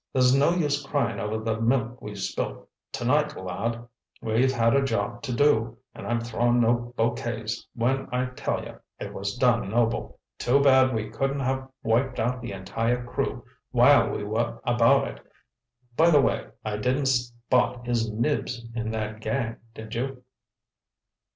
There's no use crying over the milk we've spilt tonight, lad. We had a job to do, and I'm throwin' no bouquets when I tell you it was done noble! Too bad we couldn't have wiped out the entire crew while we were about it. By the way, I didn't spot His Nibs in that gang, did you?"